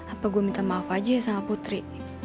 apa gue minta maaf aja sama putri